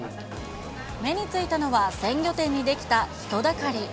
目についたのは、鮮魚店に出来た人だかり。